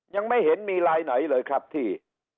ยังไม่เห็นมีลายไหนเลยครับที่